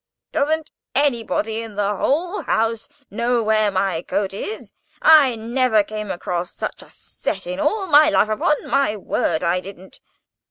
[Picture: Nails etc.] "Doesn't anybody in the whole house know where my coat is? I never came across such a set in all my life—upon my word I didn't.